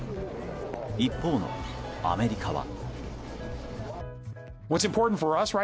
一方のアメリカは。